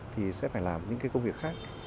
thì sẽ phải làm những cái công việc khác